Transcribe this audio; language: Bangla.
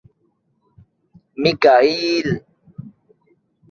তিনি চারটি আন্তর্জাতিক চলচ্চিত্র উৎসবে অংশগ্রহণ করেন।